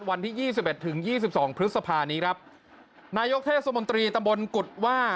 วันที่ยี่สิบเอ็ดถึงยี่สิบสองพฤษภานี้ครับนายกเทศมนตรีตำบลกุฎว่า